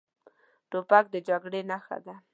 توپک د جګړې نښه ده.